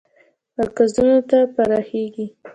مرکزونو ته پراخیږي.